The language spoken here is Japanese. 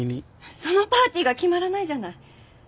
そのパーティーが決まらないじゃない。